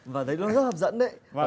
và thấy nó rất hấp dẫn đấy